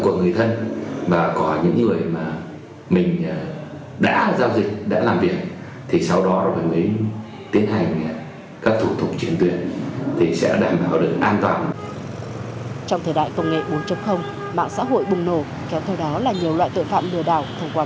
cùng với sự vào cuộc quyết liệt của lực lượng công an rất cần sự cảnh giác của những người sử dụng mạng xã hội hãy cẩn thận khi click chuột kéo lại mất tiền toàn